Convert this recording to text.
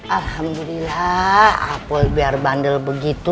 alhamdulillah apel biar bandel begitu